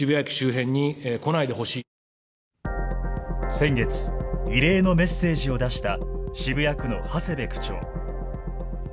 先月、異例のメッセージを出した渋谷区の長谷部区長。